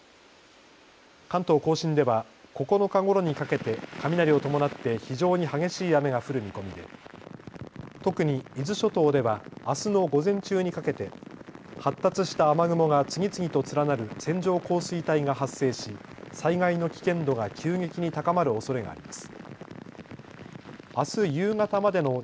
関東甲信では９日ごろにかけて雷を伴って非常に激しい雨が降る見込みで特に伊豆諸島ではあすの午前中にかけて発達した雨雲が次々と連なる線状降水帯が発生し災害の危険度が急激に高まるおそれがあります。